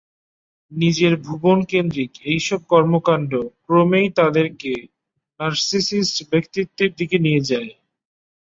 নিজের ভুবন-কেন্দ্রিক এসব কর্মকাণ্ড ক্রমেই তাঁদেরকে নার্সিসিস্ট ব্যক্তিত্বের দিকে নিয়ে যায়।